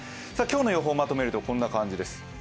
今日の予報をまとめるとこんな感じです。